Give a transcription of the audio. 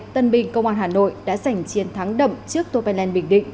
tân binh công an hà nội đã giành chiến thắng đậm trước tô pê lên bình định